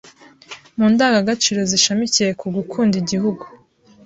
Mu ndangagaciro zishamikiye ku gukunda Igihugu